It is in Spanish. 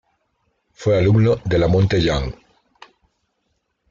Fue alumno de La Monte Young.